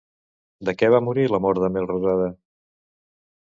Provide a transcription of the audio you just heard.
De què va morir l'amor de Melrosada?